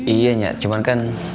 iya nyak cuman kan